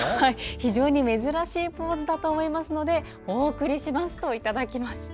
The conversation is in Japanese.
非常に珍しい構図だと思いますのでお送りしますといただきました。